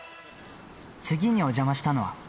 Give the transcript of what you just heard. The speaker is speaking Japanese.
次にお邪魔したのは。